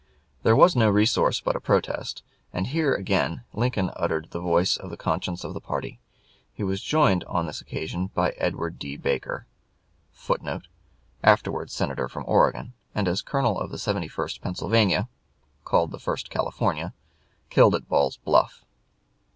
There was no resource but a protest, and here again Lincoln uttered the voice of the conscience of the party. He was joined on this occasion by Edward D. Baker [Footnote: Afterwards senator from Oregon, and as colonel of the 71st Pennsylvania (called the 1st California) killed at Ball's Bluff.